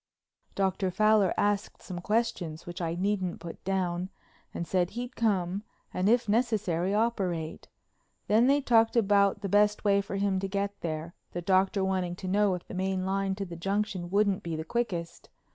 Dr. Fowler asked some questions which I needn't put down and said he'd come and if necessary operate. Then they talked about the best way for him to get there, the Doctor wanting to know if the main line to the Junction wouldn't be the quickest.